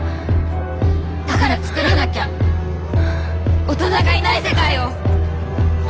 だから作らなきゃ大人がいない世界を。